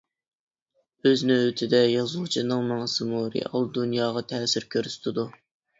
ئۆز نۆۋىتىدە يازغۇچنىڭ مېڭىسىمۇ رېئال دۇنياغا تەسىر كۆرسىتىدۇ.